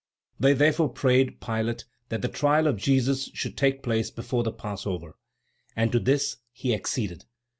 They therefore prayed Pilate that the trial of Jesus should take place before the Passover, and to this he acceded.